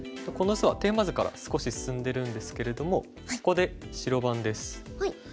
この図はテーマ図から少し進んでるんですけれどもここで白番です。